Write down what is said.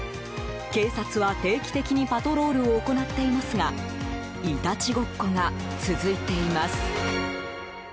警察は、定期的にパトロールを行っていますがいたちごっこが続いています。